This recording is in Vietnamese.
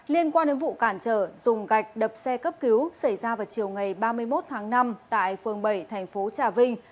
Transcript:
liên quan đến vụ cản trở dùng gạch đập xe cấp cứu xảy ra vào chiều ngày ba mươi một tháng năm tại phường bảy thành phố trà vinh